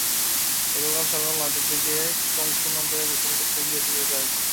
গতকাল সকাল নয়টার দিকে কংস নদে গোসল করতে গিয়ে ডুবে যায়।